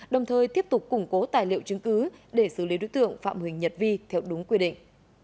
đồng thời tiếp tục củng cố tài liệu chứng cứ để xử lý đối tượng phạm huỳnh nhật vi theo đúng quy định